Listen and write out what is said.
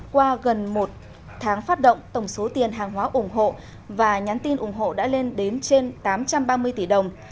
qua gần một tháng phát động tổng số tiền hàng hóa ủng hộ và nhắn tin ủng hộ đã lên đến trên tám trăm ba mươi tỷ đồng